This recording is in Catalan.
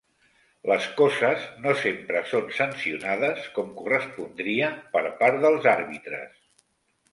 Les coces no sempre són sancionades com correspondria per part dels àrbitres.